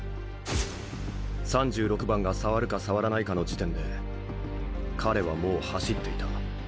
３６番が触るか触らないかの時点で彼はもう走っていた。